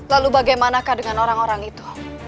lalu bagaimanakah dengan orang orang itu